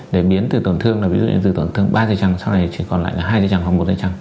để biến từ tổn thương ví dụ như từ tổn thương ba dây chẳng sau này chỉ còn lại hai dây chẳng hoặc một dây chẳng